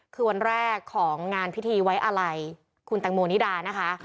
คือวันแรกของงานพิธีไว้อาลัยคุณแตงโมนิดานะคะ